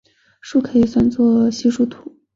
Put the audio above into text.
树可以算是稀疏图。